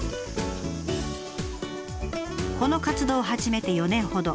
この活動を始めて４年ほど。